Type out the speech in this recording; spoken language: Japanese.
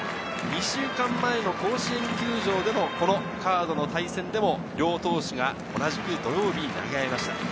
２週間前の甲子園球場でも、このカードの対戦でも両投手が同じく土曜日に投げ合いました。